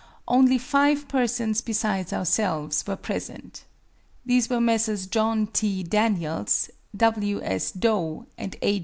Only five persons besides ourselves were present. These were Messrs. John T. Daniels, W. S. Dough, and A.